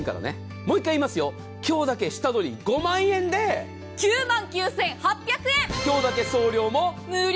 もう１回やりますよ、今日だけ下取り５万円で９万９８００円、今日だけ送料も無料！